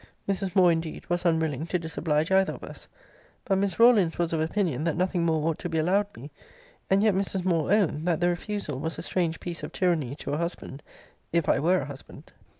Mrs. Moore, indeed, was unwilling to disoblige either of us. But Miss Rawlins was of opinion, that nothing more ought to be allowed me: and yet Mrs. Moore owned, that the refusal was a strange piece of tyranny to a husband, if I were a husband.